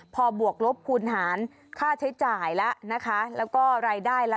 พอบวกลบคูณหารค่าใช้จ่ายแล้วนะคะแล้วก็รายได้ละ